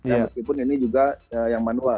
nah meskipun ini juga yang manual